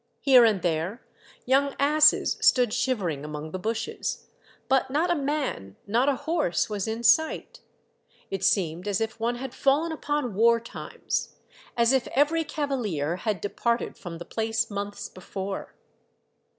Here and there young asses stood shivering among the bushes ; but not a man, not a horse, was in sight ; it seemed as if one had fallen upon war times, as if every cavalier had departed from the place months before.